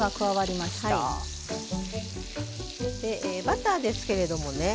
でバターですけれどもね